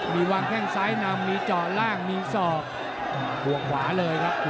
มีวางแค่น้ำซ้ายมีเจาะล่างมีส่องหัวขวาเลยครับ